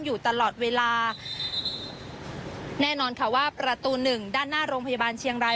อยู่ตลอดเวลาแน่นอนค่ะว่าประตูหนึ่งด้านหน้าโรงพยาบาลเชียงราย